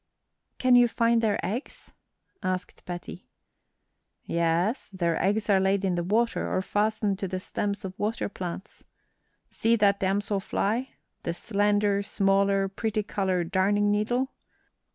"Can you find their eggs?" asked Betty. "Yes; their eggs are laid in the water or fastened to the stems of water plants. See that damsel fly, the slender, smaller, pretty colored darning needle?